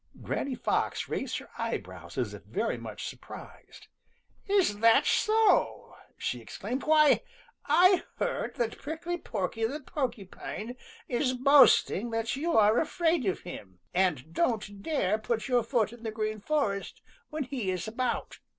Granny Fox raised her eyebrows as if very much surprised. "Is that so?" she exclaimed. "Why I heard that Prickly Porky the Porcupine is boasting that you are afraid of him and don't dare put your foot in the Green Forest when he is about."